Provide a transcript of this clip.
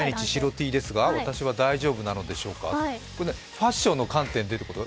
ファッションの観点でということ？